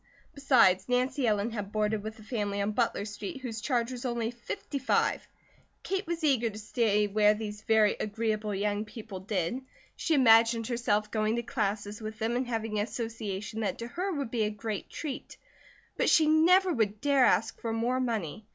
Besides, Nancy Ellen had boarded with a family on Butler Street whose charge was only five fifty. Kate was eager to stay where these very agreeable young people did, she imagined herself going to classes with them and having association that to her would be a great treat, but she never would dare ask for more money.